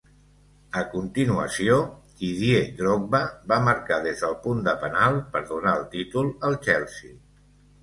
A continuació, Didier Drogba va marcar des del punt de penal per donar el títol al Chelsea.